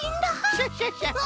クシャシャシャ！